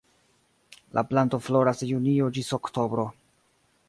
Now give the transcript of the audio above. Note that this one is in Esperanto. La planto floras de junio ĝis oktobro.